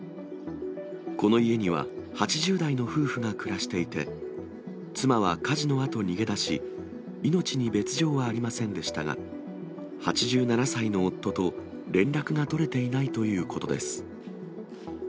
この家には８０代の夫婦が暮らしていて、妻は火事のあと、逃げ出し、命に別状はありませんでしたが、８７歳の夫と連絡が取れていないということです。